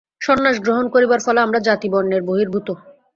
সন্ন্যাস গ্রহণ করিবার ফলে আমরা জাতি-বর্ণের বহির্ভূত।